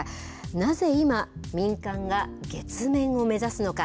なぜ今、民間が月面を目指すのか。